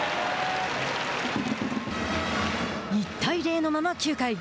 １対０のまま９回。